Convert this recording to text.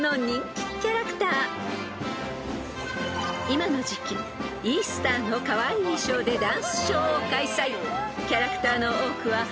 ［今の時期イースターのカワイイ衣装でダンスショーを開催］